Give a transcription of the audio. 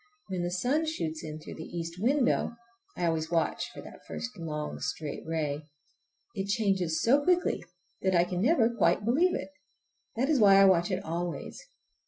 When the sun shoots in through the east window—I always watch for that first long, straight ray—it changes so quickly that I never can quite believe it. That is why I watch it always.